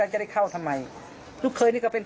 ครูจะฆ่าแม่ไม่รักตัวเอง